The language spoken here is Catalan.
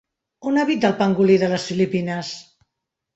On habita el pangolí de les Filipines?